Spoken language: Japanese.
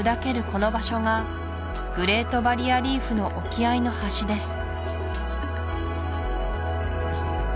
この場所がグレート・バリア・リーフの沖合の端です